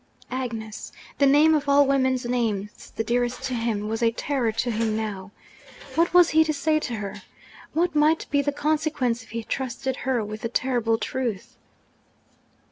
Agnes! The name, of all women's names the dearest to him, was a terror to him now! What was he to say to her? What might be the consequence if he trusted her with the terrible truth?